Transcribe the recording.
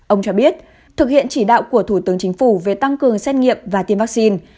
ông cho biết thực hiện chỉ đạo của thủ tướng chính phủ về tăng cường xét nghiệm và tiêm vaccine